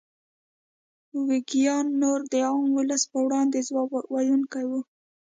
ویګیان نور د عام ولس په وړاندې ځواب ویونکي وو.